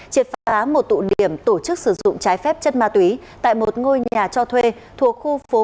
triệt phá một tụ điểm tổ chức sử dụng trái phép chất ma túy tại một ngôi nhà cho thuê thuộc khu phố